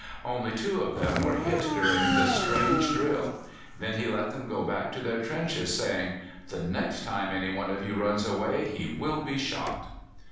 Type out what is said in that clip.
Only two of them were hit during this strange drill. Then he let them go back to their trenches, saying: "The next time any one of you runs away, he will be shot!"